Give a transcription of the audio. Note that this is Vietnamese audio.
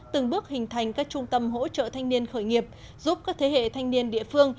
từng bước hình thành các trung tâm hỗ trợ thanh niên khởi nghiệp giúp các thế hệ thanh niên địa phương